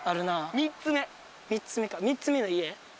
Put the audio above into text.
３つ目か３つ目の家。